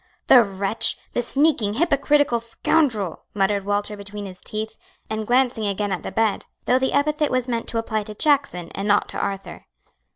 "The wretch! the sneaking, hypocritical scoundrel!" muttered Walter between his teeth, and glancing again at the bed, though the epithet was meant to apply to Jackson and not to Arthur.